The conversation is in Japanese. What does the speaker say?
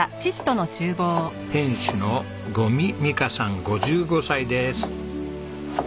店主の五味美香さん５５歳です。